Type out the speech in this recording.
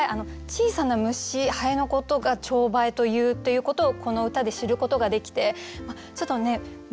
小さな虫ハエのことがチョウバエというということをこの歌で知ることができてちょっとね